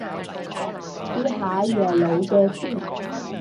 試下耶魯嘅先